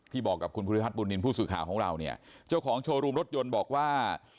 ที่บอกกับคุณผู้สื่อขาวของเราเนี่ยเจ้าของโชว์รูมรถยนต์บอกว่า